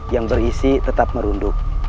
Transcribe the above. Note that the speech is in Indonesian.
yang berisi tetap merunduk